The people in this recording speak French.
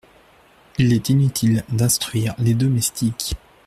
Il est inutile d’instruire les domestiques.